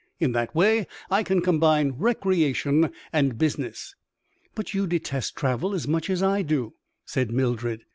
In that way I can combine recreation and business." "But you detest travel as much as I do," said Mildred.